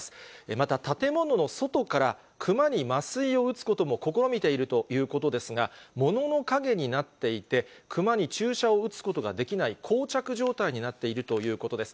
また建物の外からクマに麻酔を打つことも試みているということですが、物の陰になっていて、クマに注射を打つことができない、こう着状態になっているということです。